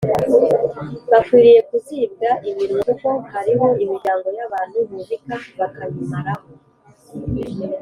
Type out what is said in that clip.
bakwiriye kuzibwa iminwa kuko hariho imiryango y’abantu bubika bakayimaraho